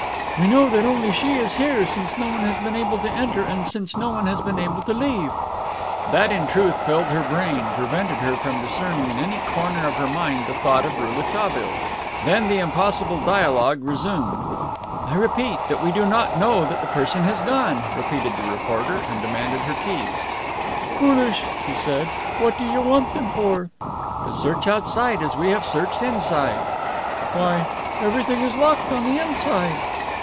"We know that only she is here, since no one has been able to enter and since no one has been able to leave." That, in truth, filled her brain, prevented her from discerning in any corner of her mind the thought of Rouletabille. Then the impossible dialogue resumed. "I repeat that we do not know but that the person has gone," repeated the reporter, and demanded her keys. "Foolish," she said. "What do you want them for?" "To search outside as we have searched inside." "Why, everything is locked on the inside!"